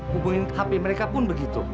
hubungin hp mereka pun begitu